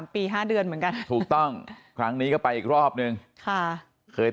ปี๕เดือนเหมือนกันถูกต้องครั้งนี้ก็ไปอีกรอบนึงค่ะเคย